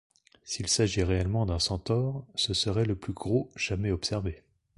S'il s'agit réellement d'un centaure, ce serait le plus gros jamais observé.